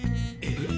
えっ？